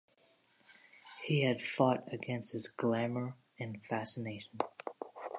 He had fought against his glamour and fascination.